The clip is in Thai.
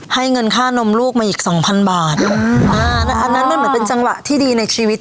ให้เงินค่านมลูกมาอีกสองพันบาทอ่าแต่อันนั้นมันเหมือนเป็นจังหวะที่ดีในชีวิต